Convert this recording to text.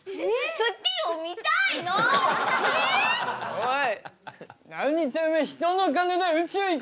おい！